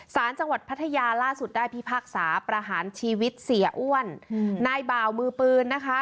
สารจังหวัดพัทยาล่าสุดได้พิพากษาประหารชีวิตเสียอ้วนนายบ่าวมือปืนนะคะ